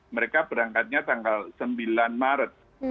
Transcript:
mereka berangkatnya tanggal sembilan maret